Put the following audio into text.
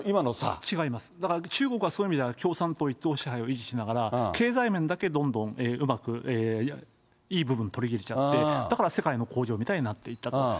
だから中国はそういう意味では共産党一党支配を維持しながら、経済面だけどんどんうまくいい部分を取り入れちゃって、だから世界の工場みたいになっていったと。